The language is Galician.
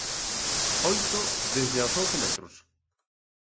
Oito desde aos once metros.